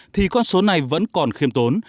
thì con số này vẫn còn khiêm tốn